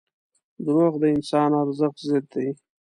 • دروغ د انساني ارزښت ضد دي.